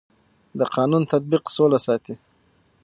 د قانون تطبیق سوله ساتي